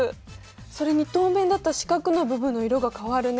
それに透明になった四角の部分の色が変わるね。